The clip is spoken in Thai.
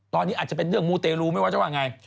ตอนนี้อาจจะเป็นเรื่องมูเตรลูไม่ว่าจะว่าไง